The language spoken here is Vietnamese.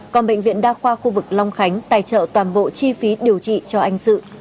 còn bệnh viện đa khoa khu vực long khánh tài trợ toàn bộ chi phí điều trị cho anh sự